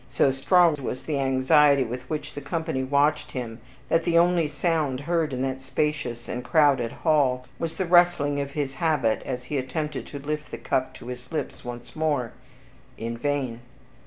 So strong was the anxiety with which the company watched him, that the only sound heard in that spacious and crowded hall was the rustling of his habit as he attempted to lift the cup to his lips once more in vain.